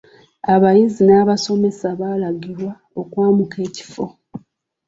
Abayizi n'abasomesa balagirwa okwamuka ekifo.